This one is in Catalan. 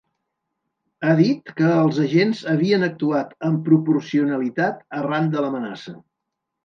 Ha dit que els agents havien actuat amb ‘proporcionalitat’ arran de l’amenaça.